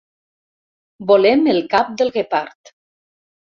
Volem el cap del guepard.